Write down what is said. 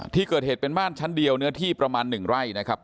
ที่เกิดเหตุเป็นบ้านชั้นเดียวเนื้อที่ประมาณ๑ไร่นะครับ